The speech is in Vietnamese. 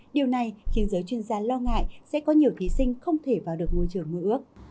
điều này khiến giới chuyên gia lo ngại sẽ có nhiều thí sinh không thể vào được ngôi trường mơ ước